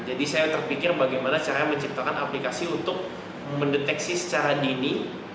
jadi saya terpikir bagaimana cara menciptakan aplikasi untuk mendeteksi secara dini